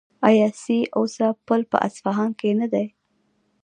آیا سي او سه پل په اصفهان کې نه دی؟